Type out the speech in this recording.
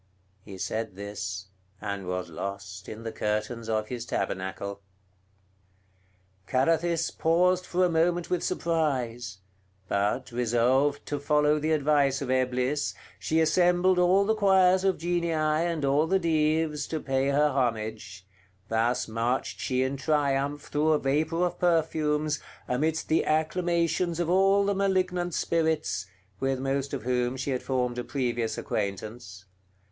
He said this, and was lost in the curtains of his tabernacle. Carathis paused for a moment with surprise; but, resolved to follow the advice of Eblis, she assembled all the choirs of Genii, and all the Dives, to pay her homage; thus marched she in triumph through a vapor of perfumes, amidst the acclamations of all the malignant spirits, with most of whom she had formed a previous acquaintance.